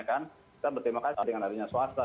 kita berterima kasih dengan adanya swasta